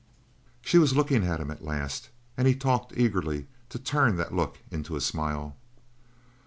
She was looking at him, at last, and he talked eagerly to turn that look into a smile.